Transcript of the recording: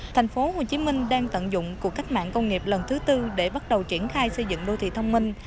tp hcm đang tận dụng cuộc cách mạng công nghiệp lần thứ bốn để bắt đầu triển khai xây dựng đô thị thông minh